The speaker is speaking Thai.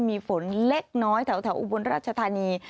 มีฝนเล็กน้อยแถวอุบลราชธานี